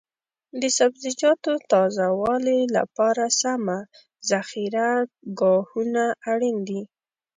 د سبزیجاتو تازه والي لپاره سمه ذخیره ګاهونه اړین دي.